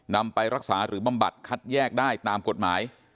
นำไปรักษาหรือบำบัดคัดแยกได้ตามกฎหมาย